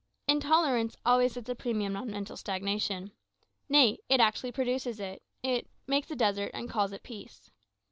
Intolerance always sets a premium on mental stagnation. Nay, it actually produces it; it "makes a desert, and calls it peace."